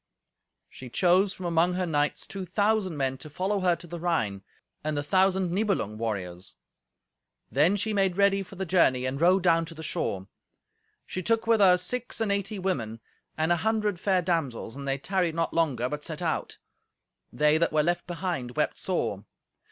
She chose from among her knights two thousand men to follow her to the Rhine, and the thousand Nibelung warriors. Then she made ready for the journey, and rode down to the shore. She took with her six and eighty women, and an hundred fair damsels, and they tarried not longer, but set out. They that were left behind wept sore!